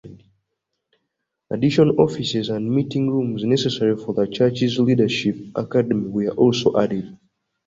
Additional offices and meeting rooms necessary for the church's Leadership Academy were also added.